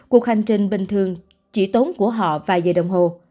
cuộc hành trình bình thường chỉ tốn của họ vài giờ đồng hồ